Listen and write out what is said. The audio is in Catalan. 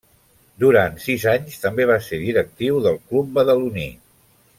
Durant sis anys també va ser directiu del club badaloní.